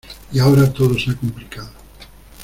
y ahora todo se ha complicado.